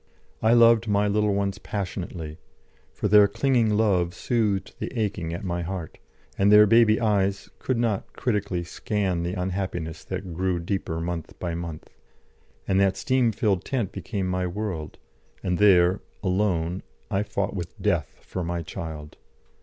I loved my little ones passionately, for their clinging love soothed the aching at my heart, and their baby eyes could not critically scan the unhappiness that grew deeper month by month; and that steam filled tent became my world, and there, alone, I fought with Death for my child.